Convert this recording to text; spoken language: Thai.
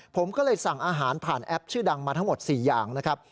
ผมก็เลยสั่งอาหารผ่านแอปชื่อดังมาทั้งหมด๔อย่างนะครับ